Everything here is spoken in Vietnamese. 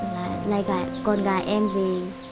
lấy lại con gái em về